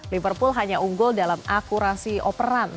liverpool hanya unggul dalam akurasi operan